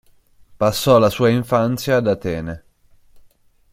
Passò la sua infanzia ad Atene.